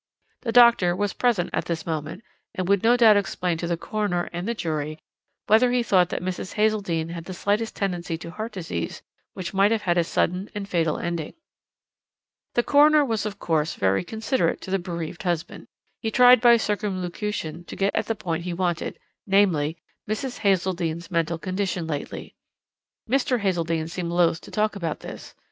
The doctor was present at this moment, and would no doubt explain to the coroner and the jury whether he thought that Mrs. Hazeldene had the slightest tendency to heart disease, which might have had a sudden and fatal ending. "The coroner was, of course, very considerate to the bereaved husband. He tried by circumlocution to get at the point he wanted, namely, Mrs. Hazeldene's mental condition lately. Mr. Hazeldene seemed loath to talk about this.